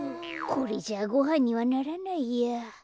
これじゃごはんにはならないや。